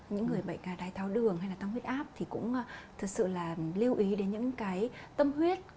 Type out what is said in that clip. những người bệnh đái tháo đường hay là tăng huyết áp thì cũng thật sự là lưu ý đến những cái tâm huyết